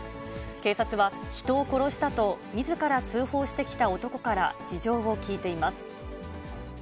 警察は、人を殺したとみずから通報してきた男から事情を聴いています。